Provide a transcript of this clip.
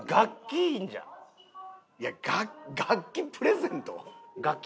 いや楽器プレゼント？